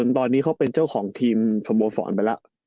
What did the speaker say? ตอนนี้เขาเป็นเจ้าของทีมสมบสรรค์ไปล่ะ